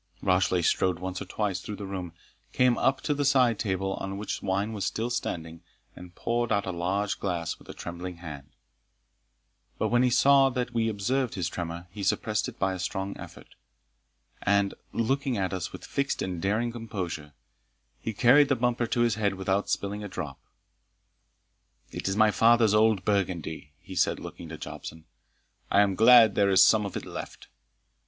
Rashleigh strode once or twice through the room, came up to the side table, on which wine was still standing, and poured out a large glass with a trembling hand; but when he saw that we observed his tremor, he suppressed it by a strong effort, and, looking at us with fixed and daring composure, carried the bumper to his head without spilling a drop. "It is my father's old burgundy," he said, looking to Jobson; "I am glad there is some of it left.